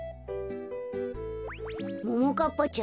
ももかっぱちゃ